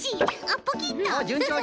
あっポキッと。